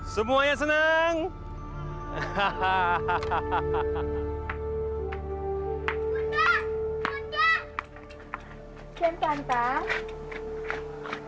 semuanya seneng hahaha hahaha